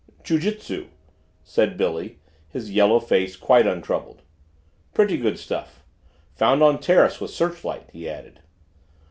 "Jiu jitsu," said Billy, his yellow face quite untroubled. "Pretty good stuff. Found on terrace with searchlight," he added.